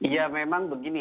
ya memang begini